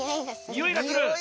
においがする！